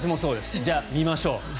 じゃあ、見ましょう。